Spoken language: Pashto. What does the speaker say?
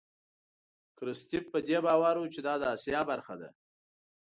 کرستیف په دې باور و چې دا د آسیا برخه ده.